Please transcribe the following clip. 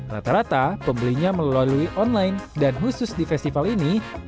rata rata pembelinya melalui online dan khusus di festival ini